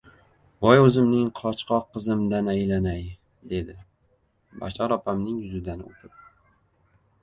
— Voy o‘zimning qochqoq qizimdan aylanay! — dedi Bashor opamning yuzidan o‘pib.